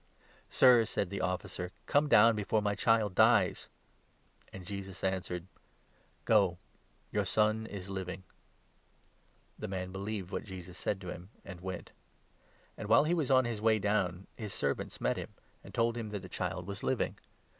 " Sir," said the officer, "come down before my child dies." 49 And Jesus answered : "Go, your son is living." The man 50 believed what Jesus said to him, and went ; and, while he was 51 on his way down, his servants met him, and told him that his child was living.